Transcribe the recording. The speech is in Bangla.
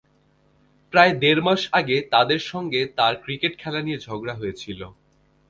প্রায় দেড় মাস আগে তাদের সঙ্গে তার ক্রিকেট খেলা নিয়ে ঝগড়া হয়েছিল।